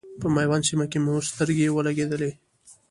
په میوند سیمه کې مو سترګې ولګېدلې.